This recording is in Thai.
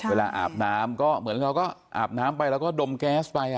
อาบน้ำก็เหมือนเราก็อาบน้ำไปแล้วก็ดมแก๊สไป